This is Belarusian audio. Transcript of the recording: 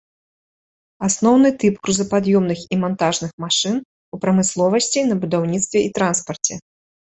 Асноўны тып грузапад'ёмных і мантажных машын у прамысловасці, на будаўніцтве і транспарце.